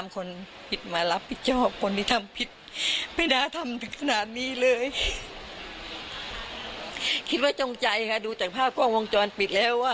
คิดว่าจงใจค่ะดูจากภาพกล้องวงจรปิดแล้วว่า